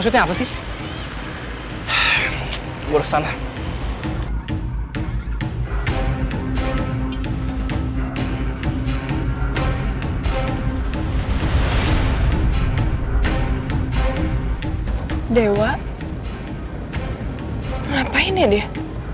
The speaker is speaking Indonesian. cuman turun doang pak